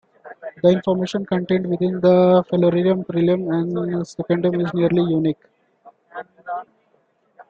The information contained within the "Florilegium Primum" and "Secundum" is nearly unique.